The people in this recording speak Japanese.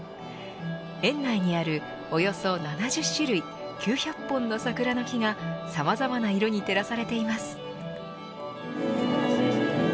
園内にあるおよそ７０種類９００本の桜の木がさまざまな色に照らされています。